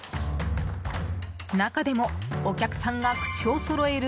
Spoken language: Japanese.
中でもお客さんが口をそろえる